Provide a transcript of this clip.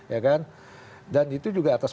ya kan dan itu juga atas